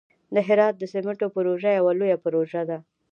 د هرات د سمنټو پروژه یوه لویه پروژه ده.